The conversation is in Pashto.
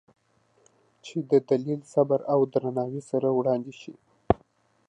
چې د دلیل، صبر او درناوي سره وړاندې شي،